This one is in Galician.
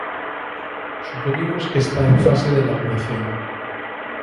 Supoñemos que está en fase de elaboración.